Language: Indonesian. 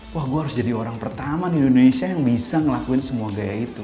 wah gue harus jadi orang pertama di indonesia yang bisa ngelakuin semua gaya itu